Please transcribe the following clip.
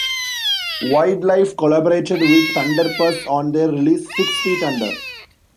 Widelife collaborated with Thunderpuss on their release "Six Feet Under".